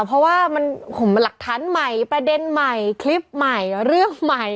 เพราะว่ามันหลักฐานใหม่ประเด็นใหม่คลิปใหม่เรื่องใหม่